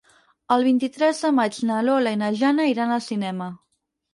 El vint-i-tres de maig na Lola i na Jana iran al cinema.